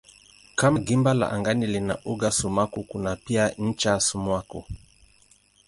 Kama gimba la angani lina uga sumaku kuna pia ncha sumaku.